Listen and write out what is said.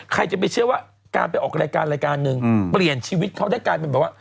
ใครจะไปเชื่อว่าการไปออกรายการรายการหนึ่งเปลี่ยนชีวิตเขาได้กลายเป็นแบบว่า